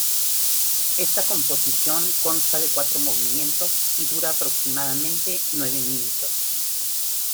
Esta composición consta de cuatro movimientos y dura aproximadamente nueve minutos.